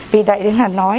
vì đại đế hàn nói